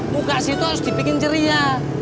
muka situ harus dibikin ceria